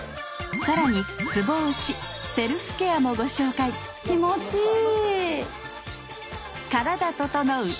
さらにツボ押しセルフケアもご紹介気持ちいい。